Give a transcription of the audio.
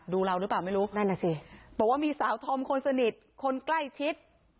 เราหรือเปล่าไม่รู้นั่นน่ะสิบอกว่ามีสาวธอมคนสนิทคนใกล้ชิด